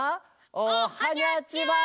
おはにゃちは！